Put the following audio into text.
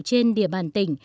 trên địa bàn tỉnh